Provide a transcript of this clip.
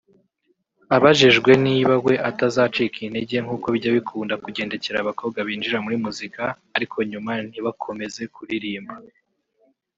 Abajijwe niba we atazacika intege nkuko bijya bikunda kugendekera abakobwa binjira muri muzika ariko nyuma ntibakomeze kuririmba